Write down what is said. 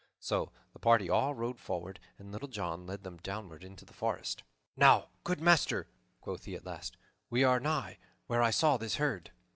So the party all rode forward, and Little John led them downward into the forest. "Now, good master," quoth he at last, "we are nigh where I saw this herd."